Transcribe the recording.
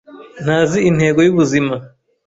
Ntazi intego y'ubuzima.